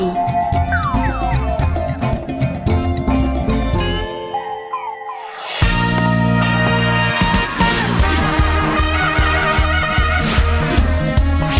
ด้วยกล้าวด้วยกระหม่อมขอเดชะ